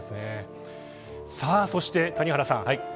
そして、谷原さん